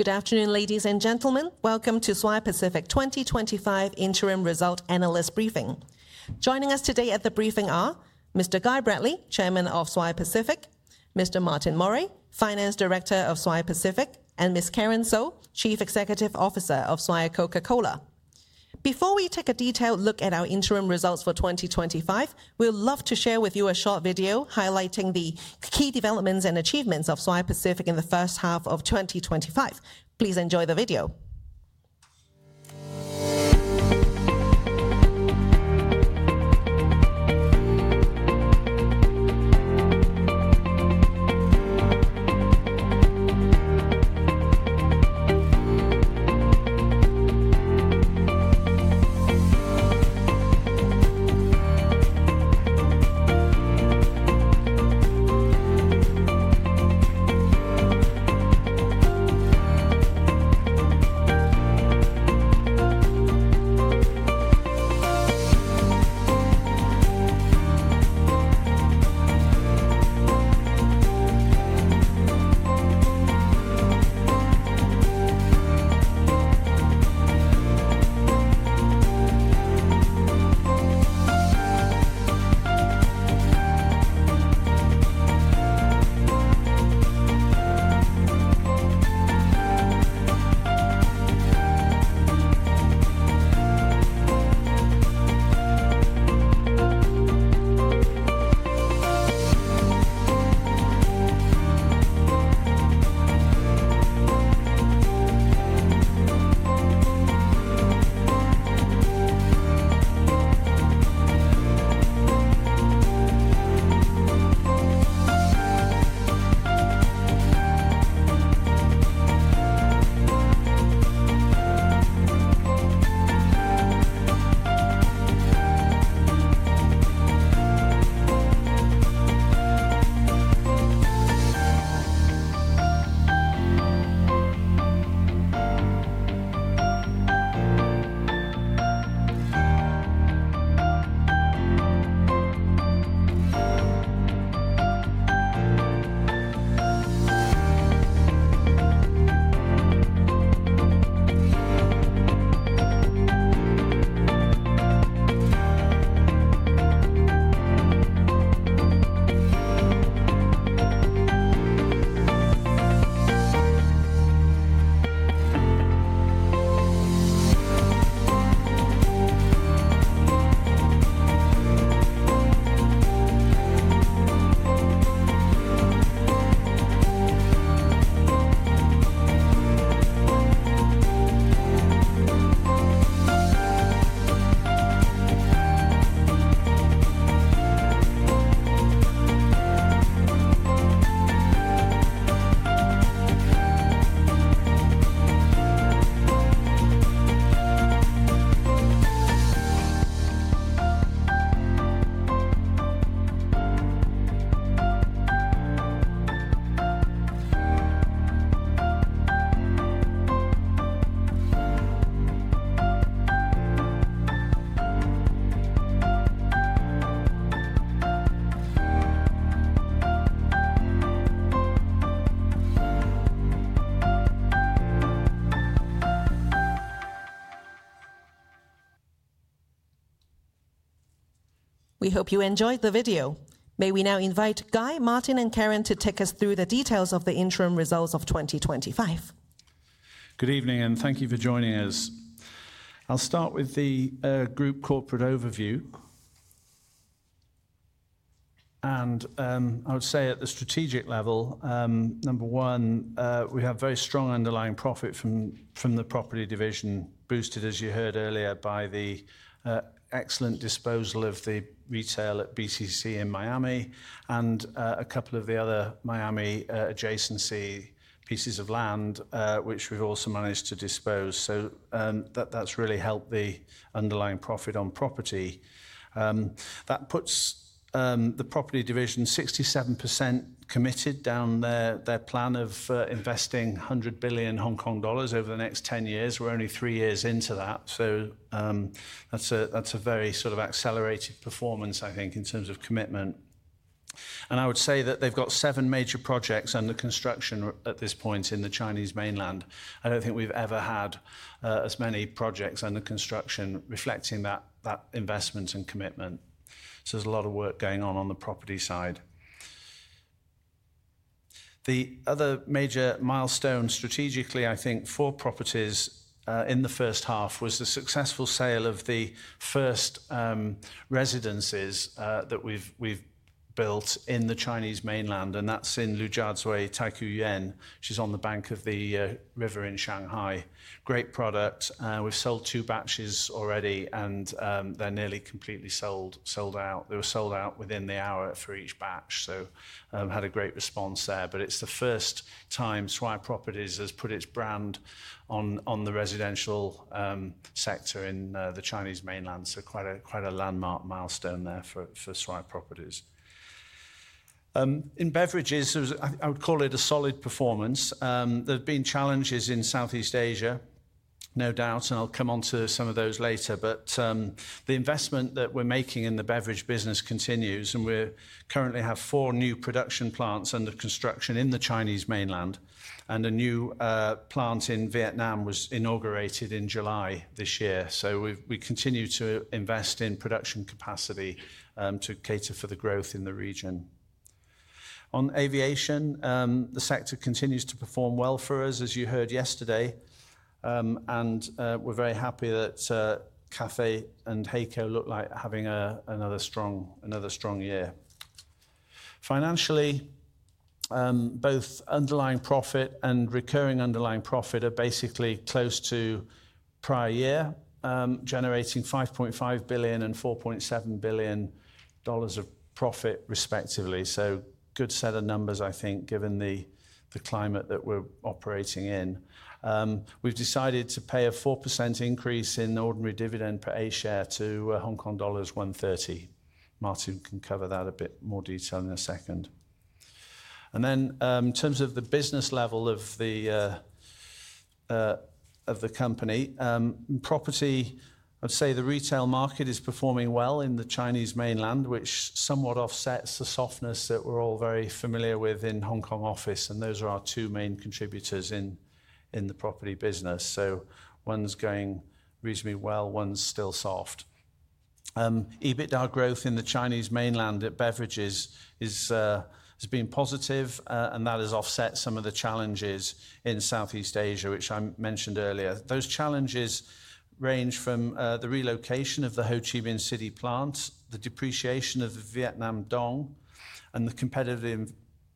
Good afternoon, ladies and gentlemen. Welcome to Swire Pacific 2025 Interim Result Analyst Briefing. Joining us today at the briefing are Mr. Guy Bradley, Chairman of Swire Pacific, Mr. Martin Murray, Finance Director of Swire Pacific, and Ms. Karen Soh, Chief Executive Officer of Swire Coca-Cola. Before we take a detailed look at our interim results for 2025, we would love to share with you a short video highlighting the key developments and achievements of Swire Pacific in the first half of 2025. Please enjoy the video. We hope you enjoyed the video. May we now invite Guy, Martin, and Karen to take us through the details of the interim results of 2025. Good evening and thank you for joining us. I'll start with the group corporate overview. I would say at the strategic level, number one, we have very strong underlying profit from the property division, boosted, as you heard earlier, by the excellent disposal of the retail at Brickell City Centre in Miami and a couple of the other Miami adjacency pieces of land, which we've also managed to dispose. That's really helped the underlying profit on property. That puts the property division 67% committed down their plan of investing 100 billion Hong Kong dollars over the next 10 years. We're only three years into that. That's a very sort of accelerated performance, I think, in terms of commitment. I would say that they've got seven major projects under construction at this point in the Chinese mainland. I don't think we've ever had as many projects under construction, reflecting that investment and commitment. There's a lot of work going on on the property side. The other major milestone strategically, I think, for properties in the first half was the successful sale of the first residences that we've built in the Chinese mainland, and that's in Lujiazui Taikoo Yuan. It's on the bank of the river in Shanghai. Great product. We've sold two batches already, and they're nearly completely sold out. They were sold out within the hour for each batch, so had a great response there. It's the first time Swire Properties has put its brand on the residential sector in the Chinese mainland. Quite a landmark milestone there for Swire Properties. In beverages, I would call it a solid performance. There have been challenges in Southeast Asia, no doubt, and I'll come on to some of those later. The investment that we're making in the beverage business continues, and we currently have four new production plants under construction in the Chinese mainland, and a new plant in Vietnam was inaugurated in July this year. We continue to invest in production capacity to cater for the growth in the region. On aviation, the sector continues to perform well for us, as you heard yesterday, and we're very happy that Cathay and HAECO look like having another strong year. Financially, both underlying profit and recurring underlying profit are basically close to prior year, generating 5.5 billion and 4.7 billion dollars of profit, respectively. A good set of numbers, I think, given the climate that we're operating in. We've decided to pay a 4% increase in ordinary dividend per A share to Hong Kong dollars 1.30. Martin can cover that in a bit more detail in a second. In terms of the business level of the company, property, I'd say the retail market is performing well in the Chinese mainland, which somewhat offsets the softness that we're all very familiar with in Hong Kong office. Those are our two main contributors in the property business. One's going reasonably well, one's still soft. EBITDA growth in the Chinese mainland at beverages has been positive, and that has offset some of the challenges in Southeast Asia, which I mentioned earlier. Those challenges range from the relocation of the Ho Chi Minh City plants, the depreciation of the Vietnam Dong, and the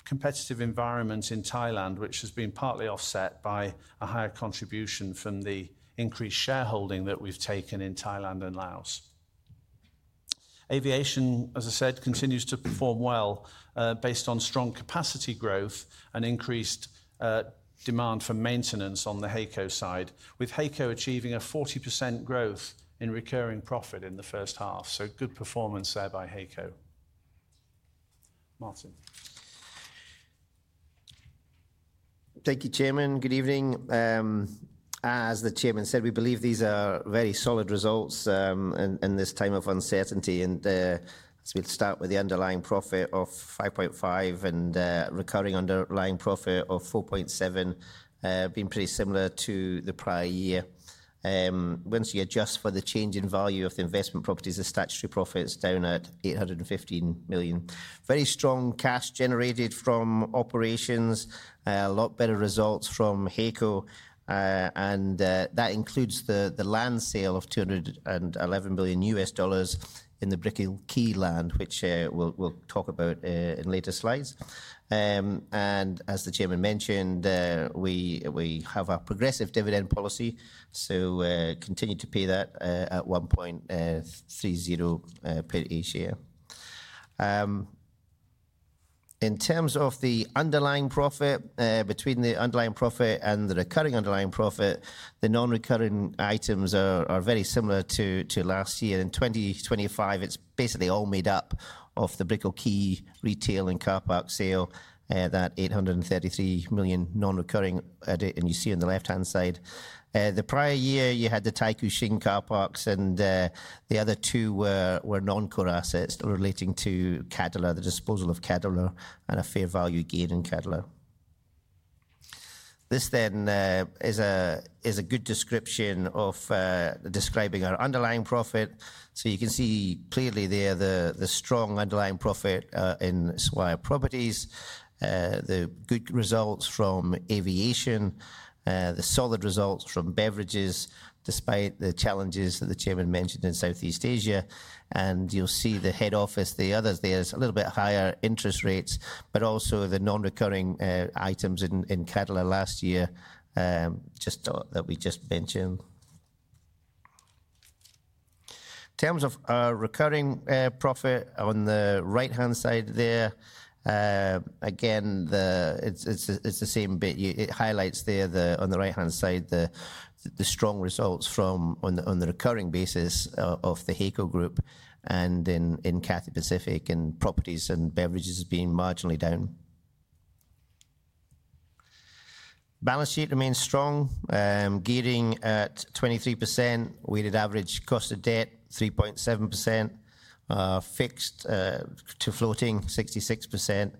competitive environment in Thailand, which has been partly offset by a higher contribution from the increased shareholding that we've taken in Thailand and Laos. Aviation, as I said, continues to perform well based on strong capacity growth and increased demand for maintenance on the HAECO side, with HAECO achieving a 40% growth in recurring profit in the first half. Good performance there by HAECO. Martin. Thank you, Chairman. Good evening. As the Chairman said, we believe these are very solid results in this time of uncertainty. We'll start with the underlying profit of 5.5 billion and recurring underlying profit of 4.7 billion, being pretty similar to the prior year. Once you adjust for the change in value of the investment properties, the statutory profit is down at 815 million. Very strong cash generated from operations, a lot better results from HAECO, and that includes the land sale of $211 million in the Brickell Key land, which we'll talk about in later slides. As the Chairman mentioned, we have a progressive dividend policy, so continue to pay that at 1.30 per A share. In terms of the underlying profit, between the underlying profit and the recurring underlying profit, the non-recurring items are very similar to last year. In 2025, it's basically all made up of the Brickell Key retail and car park sale, that 833 million non-recurring that you see on the left-hand side. The prior year, you had the Taikoo Shing Car Parks, and the other two were non-core assets relating to Cadillac, the disposal of Cadillac, and a fair value gain in Cadillac. This then is a good description of describing our underlying profit. You can see clearly there the strong underlying profit in Swire Properties, the good results from aviation, the solid results from beverages despite the challenges that the Chairman mentioned in Southeast Asia. You'll see the head office, the other there's a little bit higher interest rates, but also the non-recurring items in Cadillac last year just that we just mentioned. In terms of our recurring profit on the right-hand side there, again, it's the same bit. It highlights there on the right-hand side the strong results on the recurring basis of the HAECO group and in Cathay Pacific, and properties and beverages being marginally down. Balance sheet remains strong, gearing at 23%. Weighted average cost of debt 3.7%, fixed to floating 66%,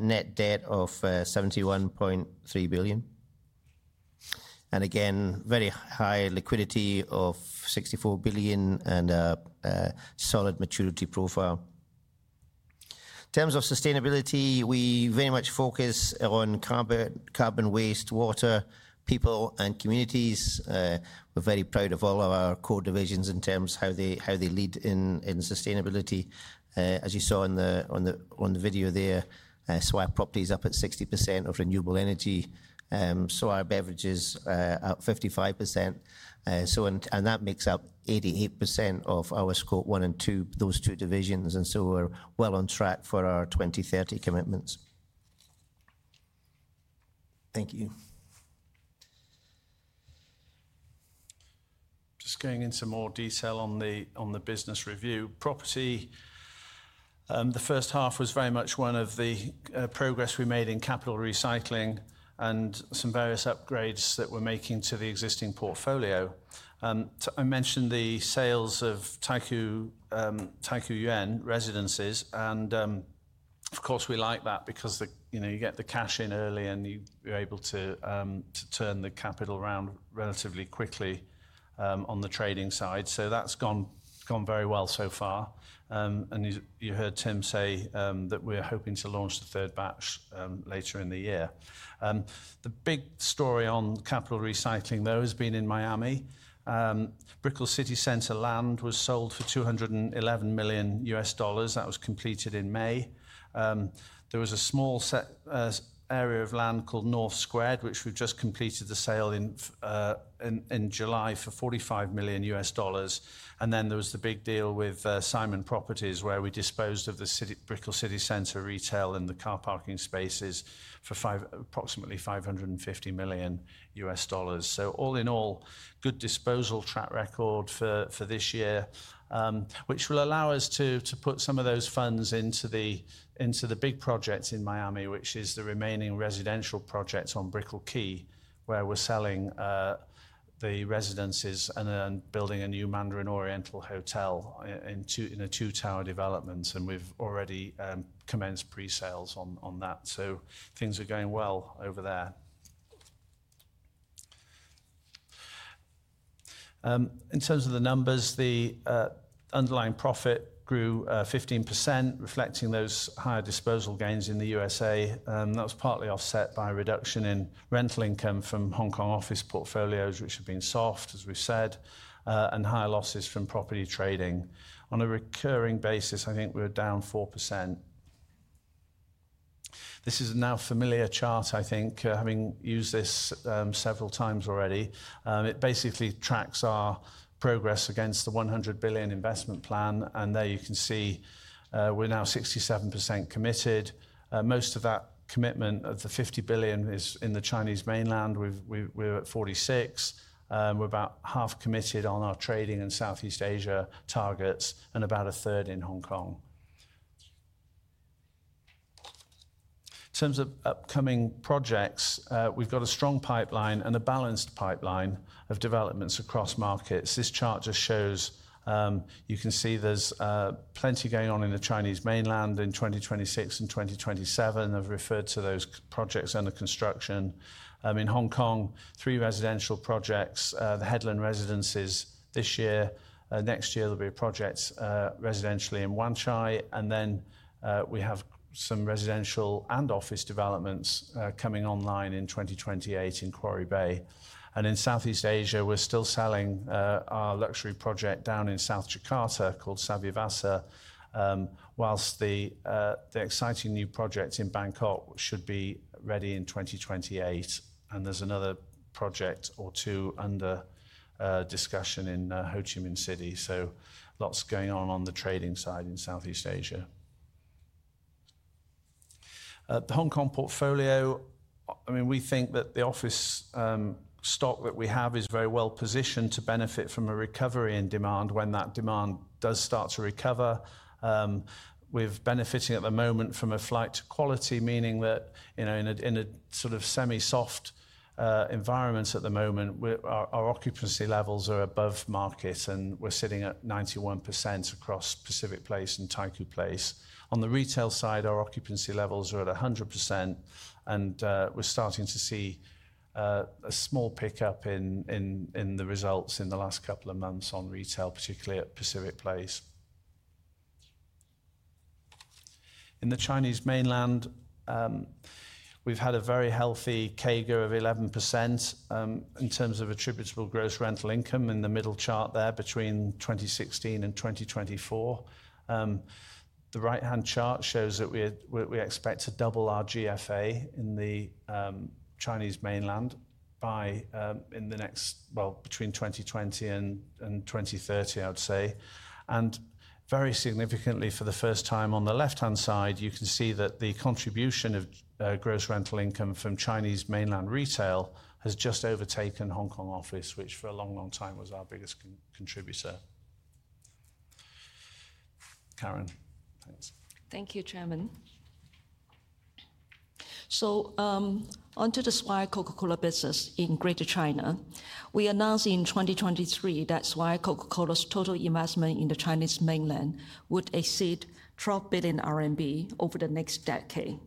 net debt of 71.3 billion. Very high liquidity of 64 billion and a solid maturity profile. In terms of sustainability, we very much focus on carbon, waste, water, people, and communities. We're very proud of all of our core divisions in terms of how they lead in sustainability. As you saw on the video there, Swire Properties is up at 60% of renewable energy. Swire Beverages is up 55%. That makes up 88% of our Scope 1 and 2, those two divisions. We're well on track for our 2030 commitments. Thank you. Just going into more detail on the business review property. The first half was very much one of the progress we made in capital recycling and some various upgrades that we're making to the existing portfolio. I mentioned the sales of Taikoo Yuan residences, and of course, we like that because you get the cash in early and you're able to turn the capital around relatively quickly on the trading side. That's gone very well so far. You heard Tim say that we're hoping to launch the third batch later in the year. The big story on capital recycling, though, has been in Miami. Brickell City Centre land was sold for $211 million. That was completed in May. There was a small area of land called North Squared, which we've just completed the sale in July for $45 million. There was the big deal with Simon Properties where we disposed of the Brickell City Centre retail and the car parking spaces for approximately $550 million. All in all, good disposal track record for this year, which will allow us to put some of those funds into the big projects in Miami, which is the remaining residential projects on Brickell Key, where we're selling the residences and building a new Mandarin Oriental Hotel in a two-tower development. We've already commenced pre-sales on that. Things are going well over there. In terms of the numbers, the underlying profit grew 15%, reflecting those higher disposal gains in the U.S.A. That was partly offset by a reduction in rental income from Hong Kong office portfolios, which have been soft, as we said, and higher losses from property trading. On a recurring basis, I think we're down 4%. This is a now familiar chart, I think, having used this several times already. It basically tracks our progress against the 100 billion investment plan. There you can see we're now 67% committed. Most of that commitment of the 50 billion is in the Chinese mainland. We're at 46 million. We're about half committed on our trading in Southeast Asia targets and about a third in Hong Kong. In terms of upcoming projects, we've got a strong pipeline and a balanced pipeline of developments across markets. This chart just shows you can see there's plenty going on in the Chinese mainland in 2026 and 2027. I've referred to those projects under construction. In Hong Kong, three residential projects, the Headland Residences this year. Next year, there'll be a project residentially in Wan Chai. We have some residential and office developments coming online in 2028 in Quarry Bay. In Southeast Asia, we're still selling our luxury project down in South Jakarta called Savyavasa, whilst the exciting new project in Bangkok should be ready in 2028. There's another project or two under discussion in Ho Chi Minh City. Lots going on on the trading side in Southeast Asia. The Hong Kong portfolio, I mean, we think that the office stock that we have is very well positioned to benefit from a recovery in demand when that demand does start to recover. We're benefiting at the moment from a flight to quality, meaning that in a sort of semi-soft environment at the moment, our occupancy levels are above market, and we're sitting at 91% across Pacific Place and Taikoo Place. On the retail side, our occupancy levels are at 100%, and we're starting to see a small pickup in the results in the last couple of months on retail, particularly at Pacific Place. In the Chinese mainland, we've had a very healthy CAGR of 11% in terms of attributable gross rental income in the middle chart there between 2016 and 2024. The right-hand chart shows that we expect to double our GFA in the Chinese mainland in the next, well, between 2020 and 2030, I would say. Very significantly, for the first time on the left-hand side, you can see that the contribution of gross rental income from Chinese mainland retail has just overtaken Hong Kong office, which for a long, long time was our biggest contributor. Karen, thanks. Thank you, Chairman. Onto the Swire Coca-Cola business in Greater China. We announced in 2023 that Swire Coca-Cola's total investment in the Chinese mainland would exceed 12 billion RMB over the next decade.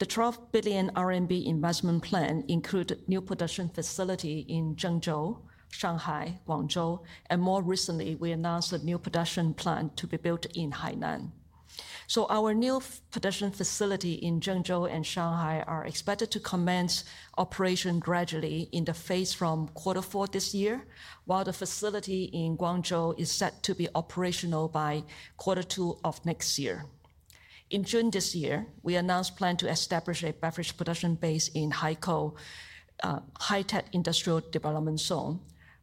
The 12 billion RMB investment plan includes new production facilities in Zhengzhou, Shanghai, Guangzhou, and more recently, we announced a new production plant to be built in Hainan. Our new production facilities in Zhengzhou and Shanghai are expected to commence operation gradually in the phase from quarter four this year, while the facility in Guangzhou is set to be operational by quarter two of next year. In June this year, we announced a plan to establish a beverage production base in Haikou, a high-tech industrial development zone,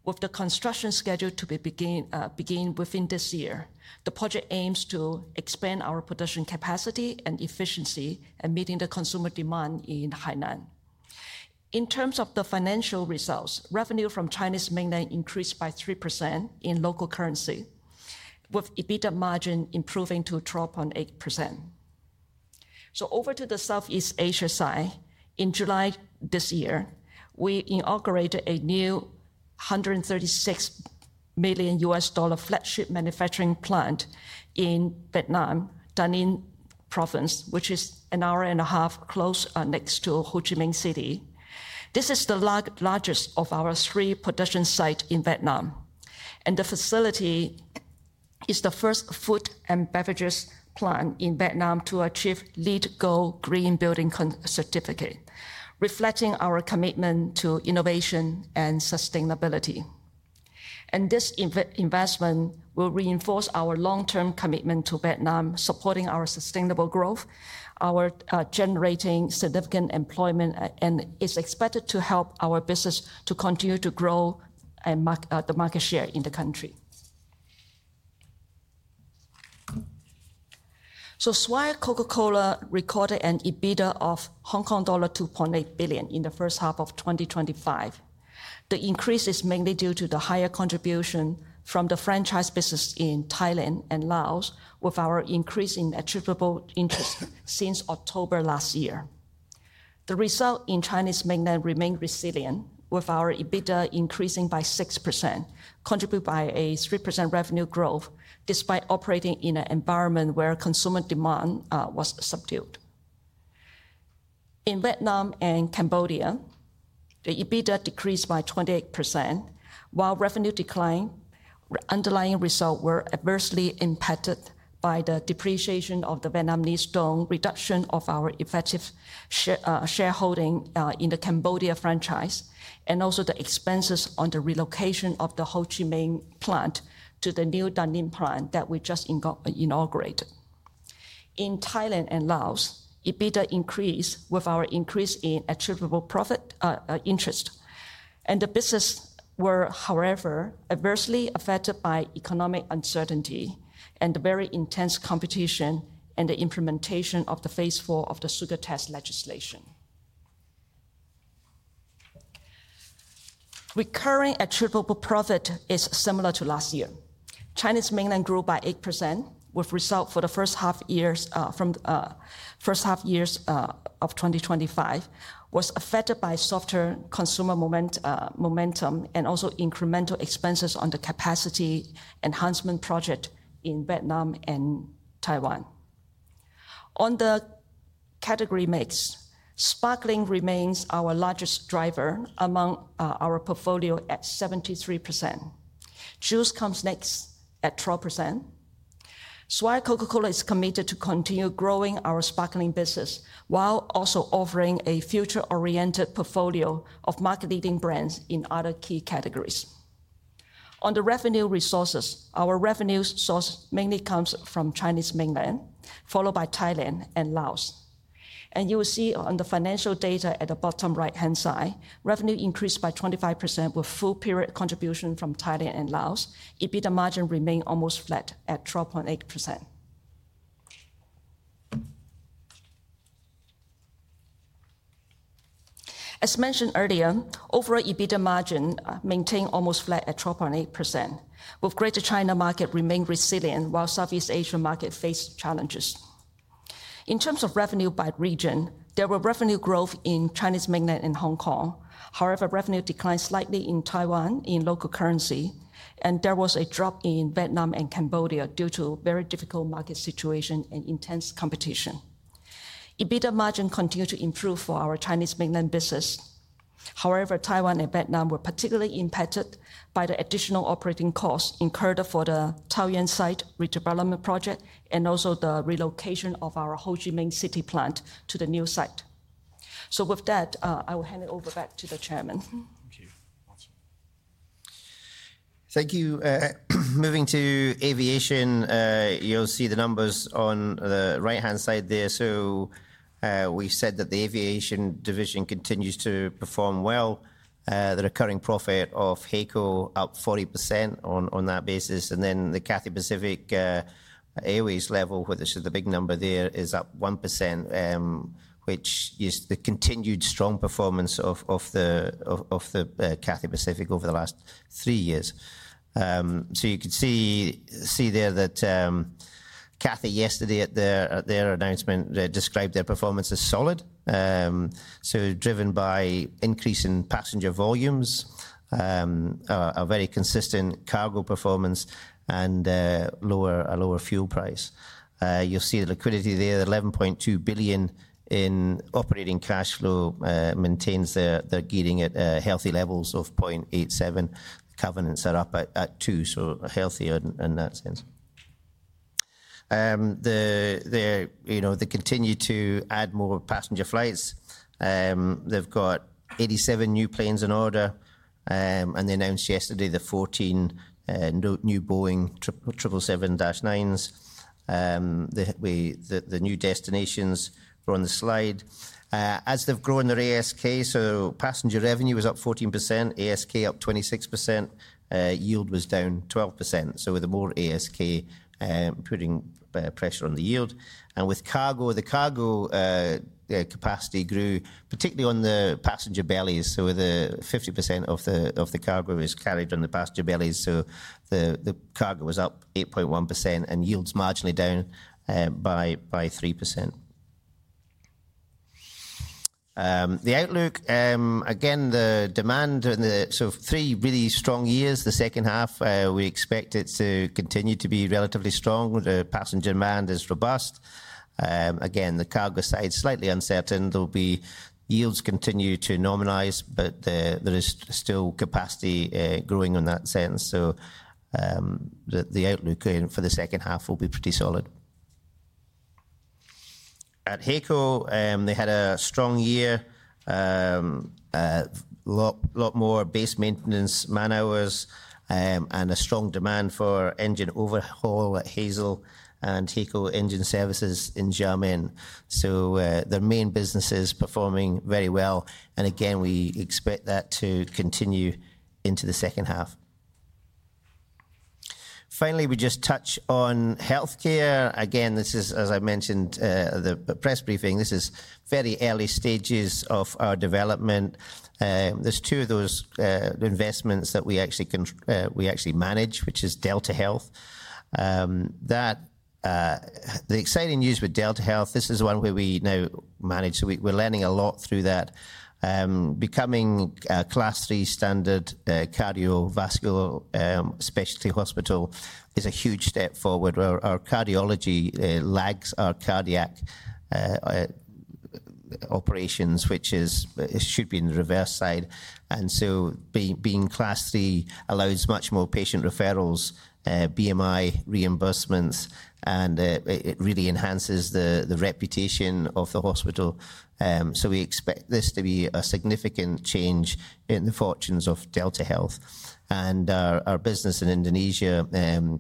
with the construction scheduled to begin within this year. The project aims to expand our production capacity and efficiency, meeting the consumer demand in Hainan. In terms of the financial results, revenue from the Chinese mainland increased by 3% in local currency, with EBITDA margin improving to 12.8%. Over to the Southeast Asia side, in July this year, we inaugurated a new $136 million flagship manufacturing plant in Vietnam, Da Nang Province, which is an hour and a half next to Ho Chi Minh City. This is the largest of our three production sites in Vietnam, and the facility is the first food and beverages plant in Vietnam to achieve LEED Gold Green Building Certificate, reflecting our commitment to innovation and sustainability. This investment will reinforce our long-term commitment to Vietnam, supporting our sustainable growth, generating significant employment, and is expected to help our business to continue to grow and mark the market share in the country. Swire Coca-Cola recorded an EBITDA of Hong Kong dollar 2.8 billion in the first half of 2025. The increase is mainly due to the higher contribution from the franchise business in Thailand and Laos, with our increase in attributable interest since October last year. The result in the Chinese mainland remained resilient, with our EBITDA increasing by 6%, contributed by a 3% revenue growth despite operating in an environment where consumer demand was subdued. In Vietnam and Cambodia, the EBITDA decreased by 28%, while revenue declined. The underlying results were adversely impacted by the depreciation of the Vietnamese Dong, reduction of our effective shareholding in the Cambodia franchise, and also the expenses on the relocation of the Ho Chi Minh plant to the new Da Nang plant that we just inaugurated. In Thailand and Laos, EBITDA increased with our increase in attributable profit interest, and the businesses were, however, adversely affected by economic uncertainty and the very intense competition and the implementation of the phase four of the Sugar Tax Legislation. Recurring attributable profit is similar to last year. Chinese mainland grew by 8%, with the result for the first half year of 2025 was affected by softer consumer momentum and also incremental expenses on the capacity enhancement project in Vietnam and Taiwan. On the category mix, sparkling remains our largest driver among our portfolio at 73%. Juice comes next at 12%. Swire Coca-Cola is committed to continue growing our sparkling business while also offering a future-oriented portfolio of market-leading brands in other key categories. On the revenue resources, our revenue source mainly comes from Chinese mainland, followed by Thailand and Laos. You will see on the financial data at the bottom right-hand side, revenue increased by 25% with full-period contribution from Thailand and Laos. EBITDA margin remained almost flat at 12.8%. As mentioned earlier, overall EBITDA margin maintained almost flat at 12.8%, with the Greater China market remaining resilient while the Southeast Asia market faced challenges. In terms of revenue by region, there was revenue growth in Chinese mainland and Hong Kong. However, revenue declined slightly in Taiwan in local currency, and there was a drop in Vietnam and Cambodia due to a very difficult market situation and intense competition. EBITDA margin continued to improve for our Chinese mainland business. However, Taiwan and Vietnam were particularly impacted by the additional operating costs incurred for the Taoyuan site redevelopment project and also the relocation of our Ho Chi Minh City plant to the new site. With that, I will hand it over back to the Chairman. Thank you. Moving to aviation, you'll see the numbers on the right-hand side there. We said that the aviation division continues to perform well. The recurring profit of HAECO is up 40% on that basis. At the Cathay Pacific Airways level, which is the big number there, it is up 1%, which is the continued strong performance of Cathay Pacific over the last three years. You can see there that Cathay yesterday at their announcement described their performance as solid, driven by increasing passenger volumes, a very consistent cargo performance, and a lower fuel price. You'll see the liquidity there, 11.2 billion in operating cash flow, maintains their gearing at healthy levels of 0.87. Covenants are up at 2, healthier in that sense. They continue to add more passenger flights. They've got 87 new planes on order, and they announced yesterday the 14 new Boeing 777-9s. The new destinations are on the slide. As they've grown their ASK, passenger revenue was up 14%, ASK up 26%, yield was down 12%. With more ASK putting pressure on the yield. With cargo, the cargo capacity grew, particularly on the passenger bellies. 50% of the cargo is carried on the passenger bellies. The cargo was up 8.1% and yields marginally down by 3%. The outlook, again, the demand in the three really strong years, the second half, we expect it to continue to be relatively strong. The passenger demand is robust. The cargo side is slightly uncertain. Yields continue to normalize, but there is still capacity growing in that sense. The outlook for the second half will be pretty solid. At HAECO, they had a strong year, a lot more base maintenance man hours, and a strong demand for engine overhaul at HAECO and HAECO Engine Services in Xiamen. Their main business is performing very well. We expect that to continue into the second half. Finally, just touch on healthcare. As I mentioned at the press briefing, this is very early stages of our development. There are two of those investments that we actually manage, which is Delta Health. The exciting news with Delta Health, this is one where we now manage. We're learning a lot through that. Becoming a Class III standard cardiovascular specialty hospital is a huge step forward. Our cardiology lags our cardiac operations, which should be in the reverse side. Being Class C allows much more patient referrals, BMI reimbursements, and it really enhances the reputation of the hospital. We expect this to be a significant change in the fortunes of Delta Health. Our business in Indonesia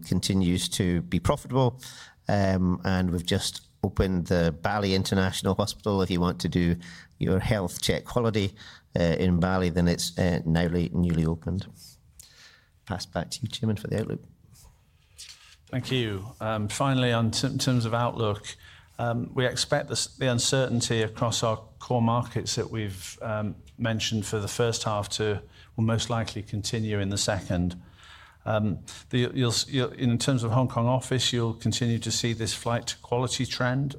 continues to be profitable. We've just opened the Bali International Hospital. If you want to do your health check quality in Bali, then it's now newly opened. Pass back to you, Chairman, for the outlook. Thank you. Finally, in terms of outlook, we expect the uncertainty across our core markets that we've mentioned for the first half to most likely continue in the second. In terms of Hong Kong office, you'll continue to see this flight to quality trend.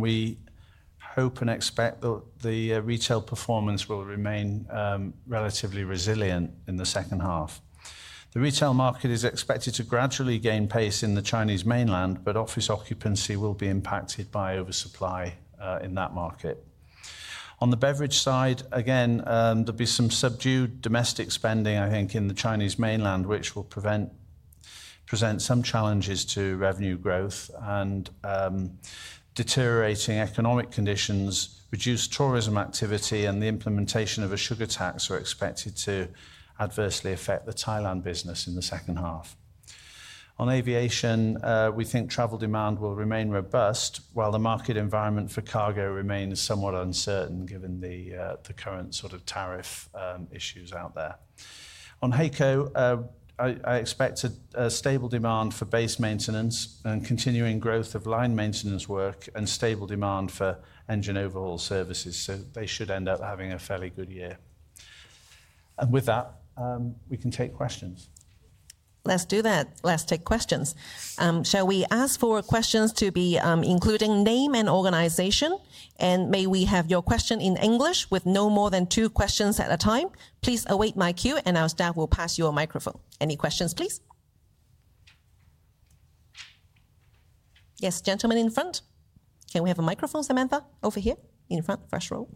We hope and expect that the retail performance will remain relatively resilient in the second half. The retail market is expected to gradually gain pace in the Chinese mainland, but office occupancy will be impacted by oversupply in that market. On the beverage side, again, there'll be some subdued domestic spending, I think, in the Chinese mainland, which will present some challenges to revenue growth. Deteriorating economic conditions, reduced tourism activity, and the implementation of a sugar tax are expected to adversely affect the Thailand business in the second half. On aviation, we think travel demand will remain robust, while the market environment for cargo remains somewhat uncertain given the current sort of tariff issues out there. On HAECO, I expect a stable demand for base maintenance and continuing growth of line maintenance work and stable demand for engine overhaul services. They should end up having a fairly good year. With that, we can take questions. Let's do that. Let's take questions. Shall we ask for questions to include name and organization? May we have your question in English with no more than two questions at a time? Please await my cue and our staff will pass you a microphone. Any questions, please? Yes, gentleman in front. Can we have a microphone, Samantha? Over here in front, first row.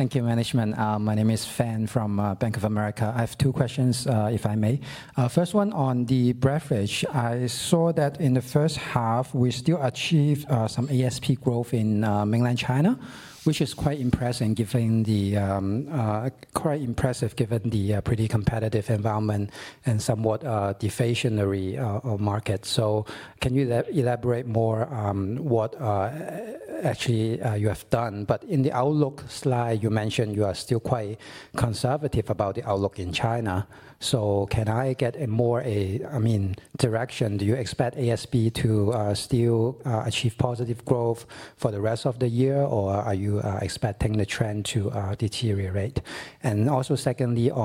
Thank you, management. My name is Fan from Bank of America. I have two questions, if I may. First one on the beverage. I saw that in the first half, we still achieved some ASP growth in mainland China, which is quite impressive given the pretty competitive environment and somewhat deflationary market. Can you elaborate more on what actually you have done? In the outlook slide, you mentioned you are still quite conservative about the outlook in China. Can I get a more, I mean, direction? Do you expect ASP to still achieve positive growth for the rest of the year, or are you expecting the trend to deteriorate? Also,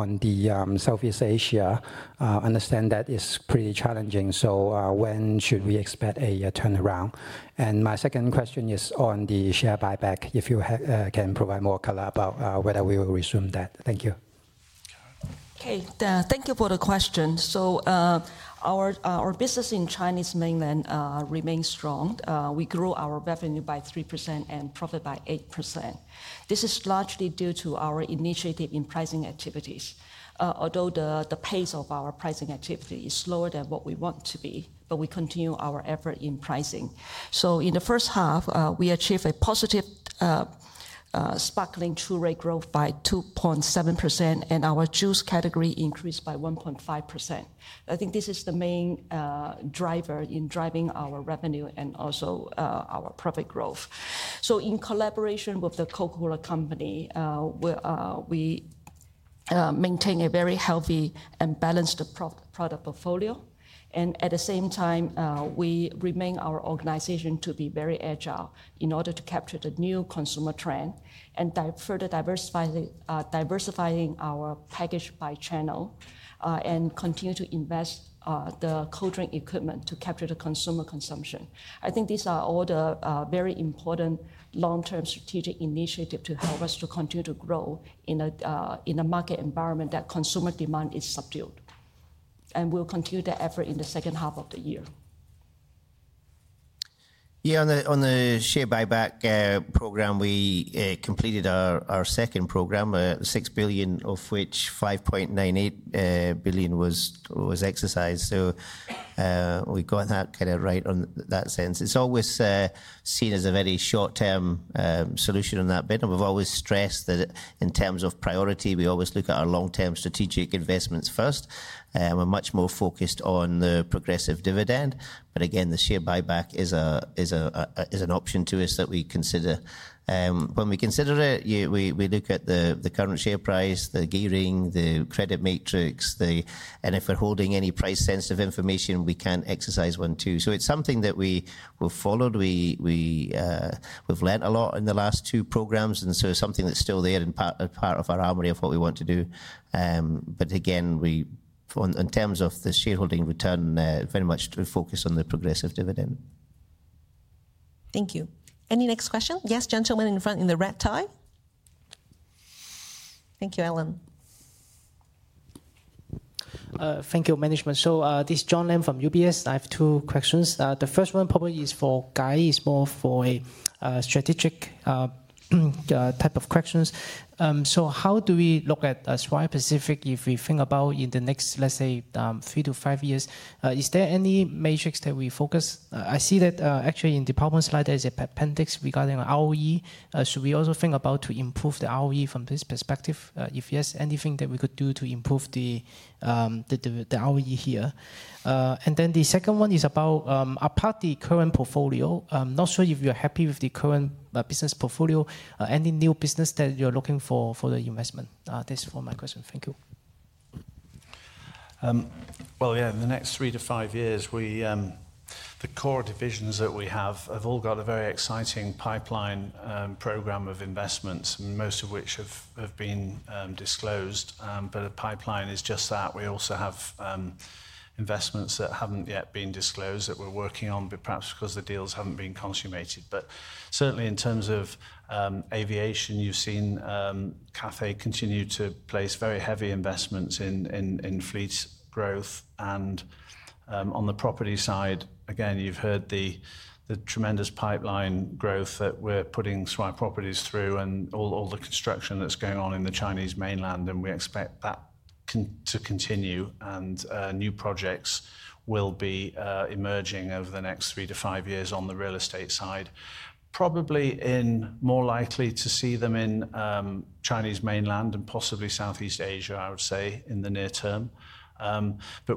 on Southeast Asia, I understand that it's pretty challenging. When should we expect a turnaround? My second question is on the share buyback, if you can provide more color about whether we will resume that. Thank you. Okay. Thank you for the question. Our business in the Chinese mainland remains strong. We grew our revenue by 3% and profit by 8%. This is largely due to our initiative in pricing activities. Although the pace of our pricing activity is slower than what we want it to be, we continue our effort in pricing. In the first half, we achieved a positive sparkling two-way growth by 2.7%, and our juice category increased by 1.5%. I think this is the main driver in driving our revenue and also our profit growth. In collaboration with The Coca-Cola Company, we maintain a very healthy and balanced product portfolio. At the same time, we remain our organization to be very agile in order to capture the new consumer trend and further diversifying our package by channel and continue to invest in cold drink equipment to capture the consumer consumption. I think these are all the very important long-term strategic initiatives to help us to continue to grow in a market environment where consumer demand is subdued. We'll continue that effort in the second half of the year. Yeah, on the share buyback program, we completed our second program, 6 billion of which 5.98 billion was exercised. We got that kind of right on that sense. It's always seen as a very short-term solution on that bit. We've always stressed that in terms of priority, we always look at our long-term strategic investments first. We're much more focused on the progressive dividend. Again, the share buyback is an option to us that we consider. When we consider it, we look at the current share price, the gearing, the credit matrix, and if we're holding any price-sensitive information, we can exercise one too. It's something that we've followed. We've learned a lot in the last two programs, and it's something that's still there and part of our armory of what we want to do. Again, in terms of the shareholding return, very much focused on the progressive dividend. Thank you. Any next question? Yes, gentleman in front in the red tie. Thank you, Ellen. Thank you, management. This is John Lam from UBS. I have two questions. The first one probably is for Guy. It's more for a strategic type of questions. How do we look at Swire Pacific if we think about in the next, let's say, three to five years? Is there any metrics that we focus? I see that actually in the PowerPoint slide, there is an appendix regarding ROE. Should we also think about improving the ROE from this perspective? If yes, anything that we could do to improve the ROE here? The second one is about, apart from the current portfolio, I'm not sure if you're happy with the current business portfolio. Any new business that you're looking for for the investment? That's for my question. Thank you. In the next three to five years, the core divisions that we have have all got a very exciting pipeline program of investments, most of which have been disclosed. The pipeline is just that. We also have investments that haven't yet been disclosed that we're working on, perhaps because the deals haven't been consummated. Certainly, in terms of aviation, you've seen Cathay continue to place very heavy investments in fleet growth. On the property side, again, you've heard the tremendous pipeline growth that we're putting Swire Properties through and all the construction that's going on in the Chinese mainland. We expect that to continue, and new projects will be emerging over the next three to five years on the real estate side. Probably more likely to see them in Chinese mainland and possibly Southeast Asia, I would say, in the near term.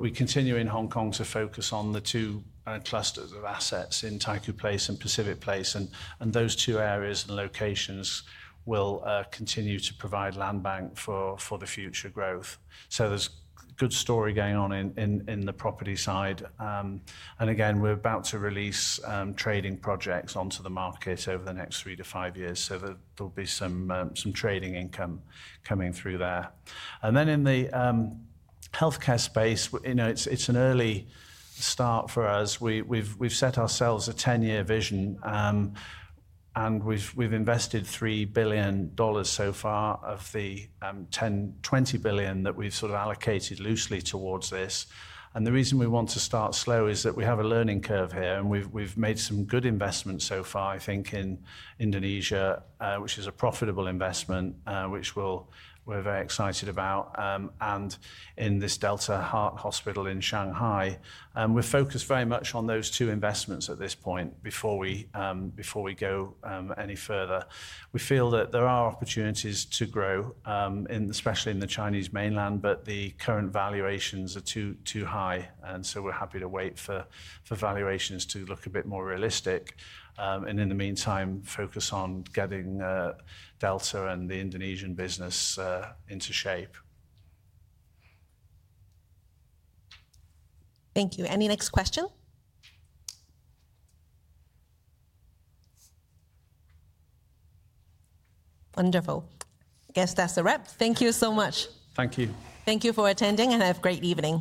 We continue in Hong Kong to focus on the two clusters of assets in Taikoo Place and Pacific Place, and those two areas and locations will continue to provide land bank for the future growth. There's a good story going on in the property side. We're about to release trading projects onto the markets over the next three to five years. There'll be some trading income coming through there. In the healthcare space, you know it's an early start for us. We've set ourselves a 10-year vision, and we've invested $3 billion so far of the $10 billion, $20 billion that we've sort of allocated loosely towards this. The reason we want to start slow is that we have a learning curve here, and we've made some good investments so far, I think, in Indonesia, which is a profitable investment, which we're very excited about. In this Delta Heart Hospital in Shanghai, we're focused very much on those two investments at this point before we go any further. We feel that there are opportunities to grow, especially in the Chinese mainland, but the current valuations are too high. We're happy to wait for valuations to look a bit more realistic. In the meantime, focus on getting Delta and the Indonesian business into shape. Thank you. Any next question? Wonderful. I guess that's a wrap. Thank you so much. Thank you. Thank you for attending, and have a great evening.